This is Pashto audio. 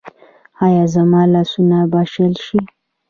ایا زما لاسونه به شل شي؟